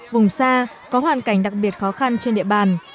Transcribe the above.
vùng xa có hoàn cảnh đặc biệt khó khăn trên địa bàn